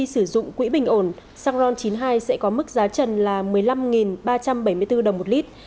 sử dụng quỹ bình ổn xăng ron chín mươi hai sẽ có mức giá trần là một mươi năm ba trăm bảy mươi bốn đồng một lít